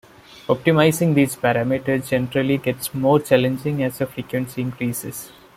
Optimizing these parameters generally gets more challenging as the frequency increases.